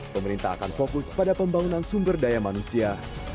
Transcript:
pemerintah akan fokus pada pembangunan sumber daya manusia